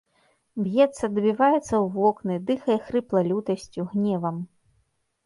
Б'ецца, дабіваецца ў вокны, дыхае хрыпла лютасцю, гневам.